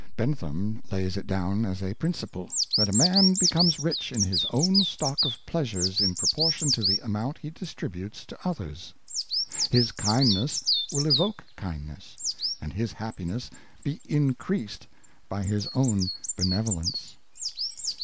Bentham lays it down as a principle, that a man be comes rich in his own stock of pleasures in proportion to the amount he distributes to others. His kindness will evoke kindness, and his happiness be increased by his own benevolence.